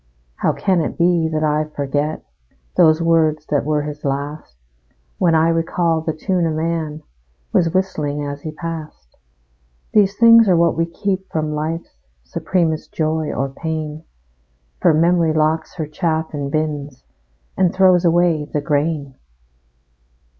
How can it be that I forget Those words that were his last, When I recall the tune a man Was whistling as he passed? These things are what we keep from life's Supremest joy or pain; For memory locks her chaff in bins And throws away the grain.